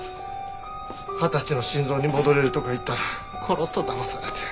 「二十歳の心臓に戻れる」とか言ったらコロッとだまされて。